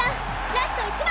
ラスト１枚！